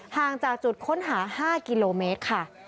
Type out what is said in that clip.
ห่างจากจุดค้นหา๕กิโลเมตรค่ะ